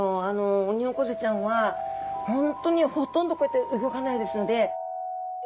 オニオコゼちゃんは本当にほとんどこうやって動かないですので。